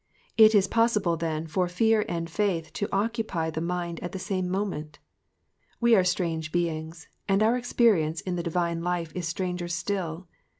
" It is possible, then, for fear and faith to occupy the mind at the siune moment. We are strange beings, and our experience in the divine life is stranger still.